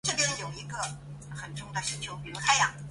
羽尾信号场筱之井线的一个已废止的线路所。